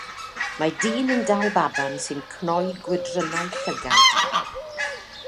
Mae dyn yn dal baban sy'n cnoi gwydrynnau llygaid.